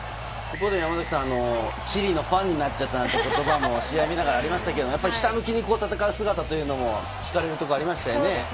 山崎さん、一方でチリのファンになっちゃったなんて言葉も試合見ながらありましたけれど、ひたむきに戦う姿というのも引かれるところありましたね。